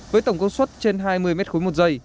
với tổng cơ suất trên hai mươi m một s